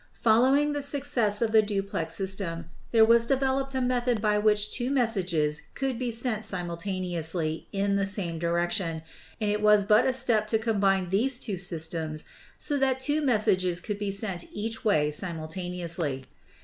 Following the success of the_ duplex system, there was developed a method by which two messages could be sent simultaneously in the same direction, and it was but a step to combine these two systems so that two messages could be sent each way simultaneously.